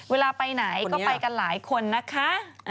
เวลาไปไหนก็ไปกันหลายคนนะคะ